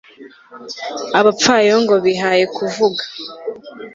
abapfayongo bihaye kuvuga